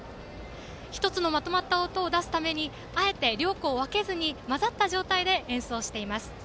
１つのまとまった音を出すためにあえて両校分けずに交ざった状態で演奏しています。